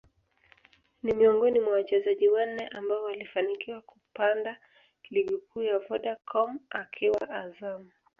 ni miongoni mwa wachezaji wanne ambao walifanikiwa kupanda Ligi Kuu ya Vodacom akiwa Azam